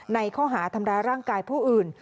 ในข้อหาทำร้ายร่างกายผู้อื่น